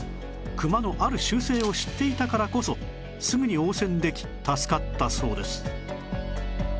クマのある習性を知っていたからこそすぐに応戦でき助かったそうです